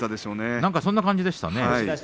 何かそんな感じでしたね。